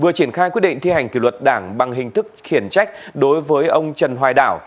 vừa triển khai quyết định thi hành kỷ luật đảng bằng hình thức khiển trách đối với ông trần hoài đảo